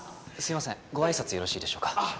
すみませんご挨拶よろしいでしょうか。